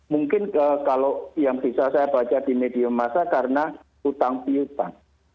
mungkin kalau yang bisa saya baca di medium masa karena utang piutang